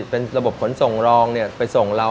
เป็นระบบขนส่งรองไปส่งเรา